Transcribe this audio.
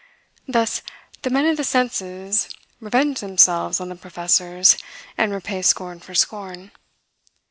Thus, the men of the senses revenge themselves on the professors, and repay scorn for scorn.